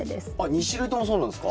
２種類ともそうなんすか？